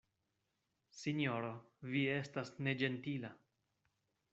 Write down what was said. Sinjoro, vi estas neĝentila.